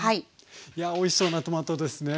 いやあおいしそうなトマトですね。